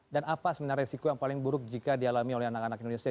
dan apa sebenarnya resiko yang paling buruk jika dialami oleh anak anak indonesia